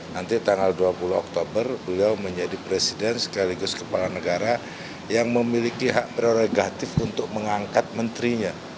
nanti tanggal dua puluh oktober beliau menjadi presiden sekaligus kepala negara yang memiliki hak prerogatif untuk mengangkat menterinya